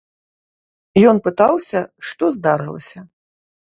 Ён пытаўся, што здарылася.